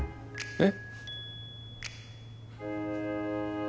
えっ？